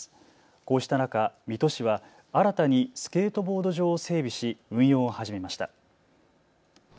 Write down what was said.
こうした中、水戸市は新たにスケートボード場を整備し運用を始めました。